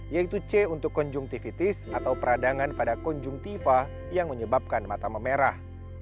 yaitu c untuk konjungtivitis atau peradangan pada konjung tifa yang menyebabkan mata memerah